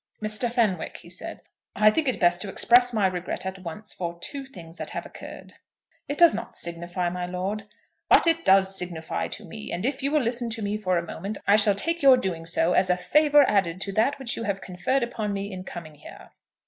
"Mr. Fenwick," he said, "I think it best to express my regret at once for two things that have occurred." [Illustration: The drawing room at Turnover Castle.] "It does not signify, my lord." "But it does signify to me, and if you will listen to me for a moment I shall take your doing so as a favour added to that which you have conferred upon me in coming here."